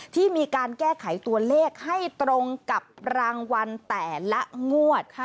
ที่มีการแก้ไขตัวเลขให้ตรงกับรางวัลแต่ละงวดค่ะ